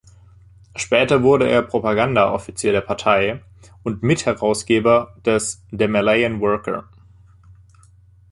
Später wurde er Propagandaoffizier der Partei und Mitherausgeber des „The Malayan Worker“.